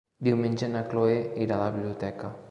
Diumenge na Chloé irà a la biblioteca.